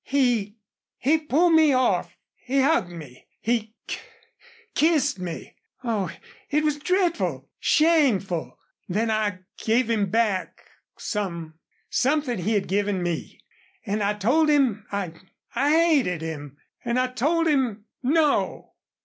"He he pulled me off he hugged me he k kissed me.... Oh, it was dreadful shameful! ... Then I gave him back some something he had given me. And I told him I I hated him and I told him, 'No!'"